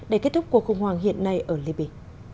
để kết thúc cuộc khủng hoảng hiện nay ở liby